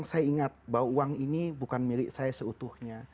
saya ingat bahwa uang ini bukan milik saya seutuhnya